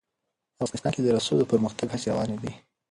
افغانستان کې د رسوب د پرمختګ هڅې روانې دي.